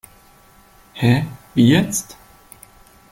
Hä, wie jetzt?